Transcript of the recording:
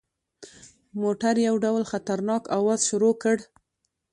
موټر یو ډول خطرناک اواز شروع کړ.